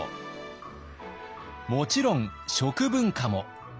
もちろん食文化も。